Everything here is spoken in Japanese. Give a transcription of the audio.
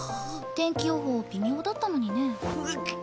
天気予報微妙だったのにね。